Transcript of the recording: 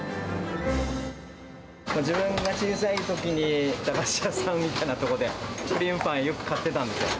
自分が小さいときに、駄菓子屋さんみたいなところで、クリームパンをよく買ってたんですよ。